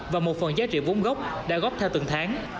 và một phần giá trị vốn gốc đã góp theo từng tháng